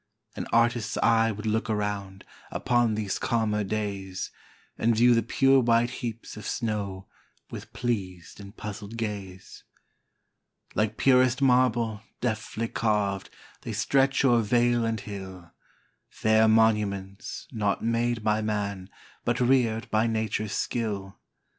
An artist's eye would look around, Upon these calmer days, And view the pure white heaps of snow, With pleas'd and puzzl'd gaze. Like purest marble, deftly carv'd, They stretch o'er vale and hill, Fair monuments, not made by man, But rear'd by nature's skill.